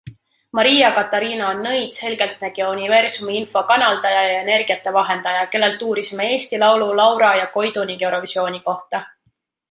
Maria Katariina on nõid, selgeltnägija, universumi info kanaldaja ja energiate vahendaja, kellelt uurisime Eesti laulu, Laura ja Koidu ning Eurovisiooni kohta.